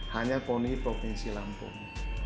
hanya poni provinsi lampung